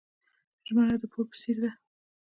ژمنه د پور په څیر ده.